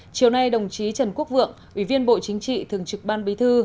chiều nay đồng chí trần quốc vượng ủy viên bộ chính trị thường trực ban bí thư